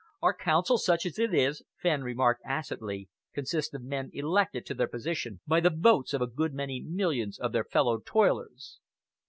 "Our Council, such as it is," Fenn remarked acidly, "consists of men elected to their position by the votes of a good many millions of their fellow toilers."